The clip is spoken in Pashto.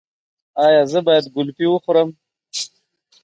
ایا زه باید ګلپي وخورم؟